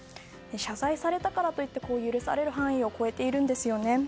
謝罪されたからといって許される範囲を超えているんですよね。